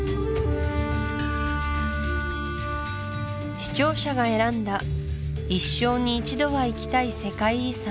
視聴者が選んだ一生に一度は行きたい世界遺産